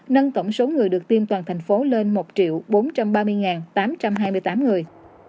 nâng tổng số người được tiêm toàn thành phố lên một bốn trăm ba mươi tám trăm hai mươi tám người